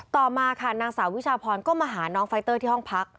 ต่อมาค่ะนางสาววิชาพรก็มาหาน้องไฟเตอร์ที่ห้องพัก